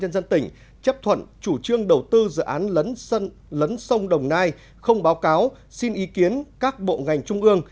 ubnd chấp thuận chủ trương đầu tư dự án lấn sông đồng nai không báo cáo xin ý kiến các bộ ngành trung ương